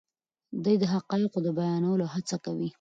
دی د حقایقو د بیانولو هڅه کوي.